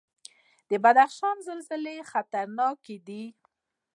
د بدخشان زلزلې خطرناکې دي